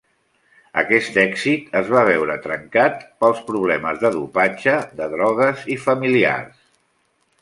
Aquest èxit es va veure trencat pels problemes de dopatge, de drogues i familiars.